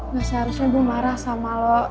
nah seharusnya gue marah sama lo